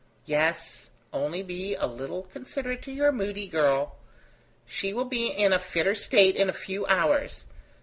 Yes, only be a little considerate to your moody girl. She will be in a fitter state in a few hours.